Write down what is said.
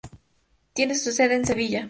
Tiene su sede en Sevilla.